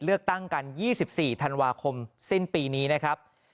เลือกตั้งกัน๒๔ธันวาคมสิ้นปีนี้นะครับ